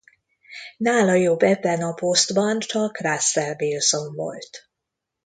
Nála jobb ebben a posztban csak Russell Wilson volt.